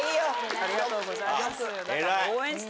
ありがとうございますだから。